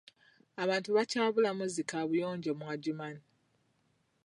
Abantu bakyabulamu zi kaabuyonjo mu Adjumani.